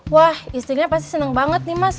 wah istrinya pasti senang banget nih mas